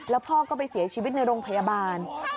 แล้วพ่อก็ไปเสียชีวิตในโรงพยาบาล